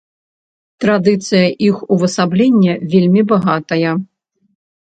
Традыцыя іх увасаблення вельмі багатая.